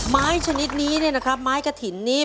ไม้ชนิดนี้นะครับไม้กระถิ่นนี้